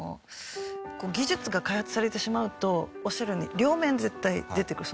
技術が開発されてしまうとおっしゃるように両面絶対出てくる。